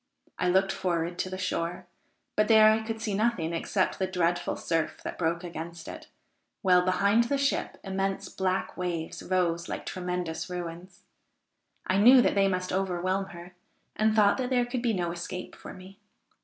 I looked forward to the shore, but there I could see nothing except the dreadful surf that broke against it, while, behind the ship, immense black waves rose like tremendous ruins. I knew that they must overwhelm her, and thought that there could be no escape for me.